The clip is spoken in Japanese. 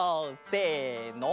せの！